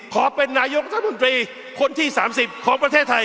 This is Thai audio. ขอเป็นนายกรัฐมนตรีคนที่๓๐ของประเทศไทย